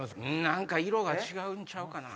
何か色が違うんちゃうかな。